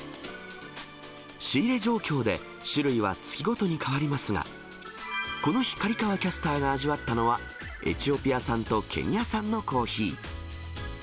仕入れ状況で、種類は月ごとに変わりますが、この日、刈川キャスターが味わったのは、エチオピア産とケニア産のコーヒー。